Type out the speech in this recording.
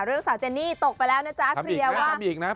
เรื่องแค่นี้เธอถ่ายแบบชุดว่ายน้ำ